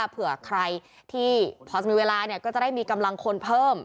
เผื่อใครที่พอจะมีเวลาก็จะได้มีกำลังคนเพิ่ม